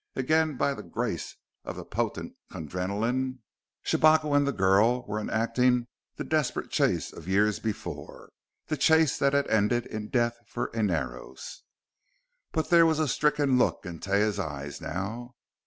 Again, by grace of the potent Kundrenaline, Shabako and the girl were enacting the desperate chase of years before, the chase that had ended in death for Inaros.... But there was a stricken look in Taia's eyes now.